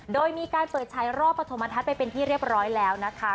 โดยมีการเปิดฉายรอบปฐมทัศน์ไปเป็นที่เรียบร้อยแล้วนะคะ